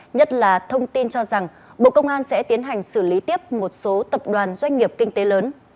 nhất là thông tin cho rằng bộ công an sẽ tiến hành xử lý tiếp một số tập đoàn doanh nghiệp kinh tế lớn